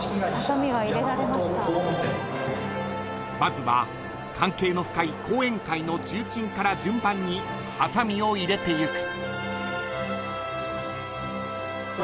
［まずは関係の深い後援会の重鎮から順番にはさみを入れていく］